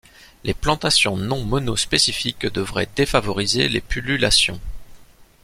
Des plantations non monospécifiques devraient défavoriser les pullulations.